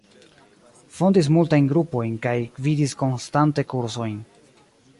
Fondis multajn grupojn kaj gvidis konstante kursojn.